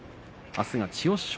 あすが千代翔